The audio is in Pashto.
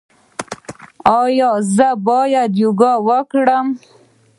ایا زه باید یوګا وکړم؟